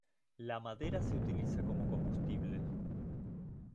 La madera se utiliza como combustible.